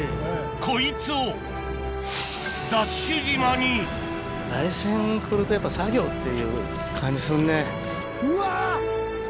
こいつを台船来るとやっぱ作業っていう感じすんね。